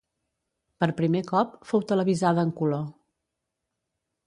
Per primer cop, fou televisada en color.